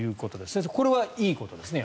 先生、これはいいことですね。